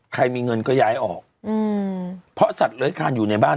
มีเงินก็ย้ายออกอืมเพราะสัตว์เลื้อยคานอยู่ในบ้าน